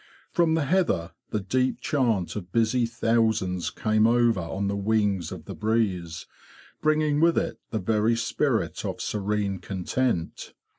From the heather the deep chant of busy thousands came over on the wings of the breeze, bringing with it the very spirit of serene content.